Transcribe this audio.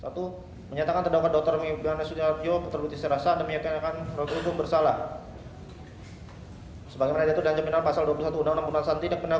bimanes tutarjo menjelaskan sebagaimana kamu menyatakan terdakwa dokter bimanes tutarjo petugut istri rasa dan menyatakan roh hukum bersalah